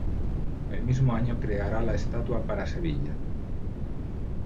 El mismo año creará la estatua para Sevilla.